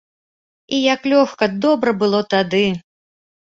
І як лёгка, добра было тады!